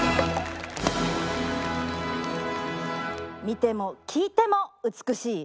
観ても聴いても美しい。